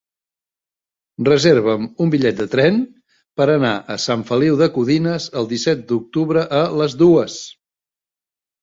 Reserva'm un bitllet de tren per anar a Sant Feliu de Codines el disset d'octubre a les dues.